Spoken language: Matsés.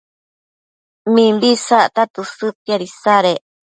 mimbi isacta tësëdtiad isadec